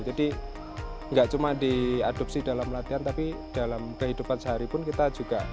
jadi nggak cuma diadopsi dalam latihan tapi dalam kehidupan sehari pun kita juga